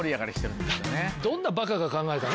どんなバカが考えたの？